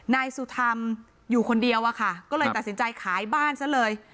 นายสุธรรมอยู่คนเดียวอะค่ะก็เลยตัดสินใจขายบ้านซะเลย